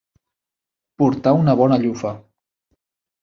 Portar una bona llufa.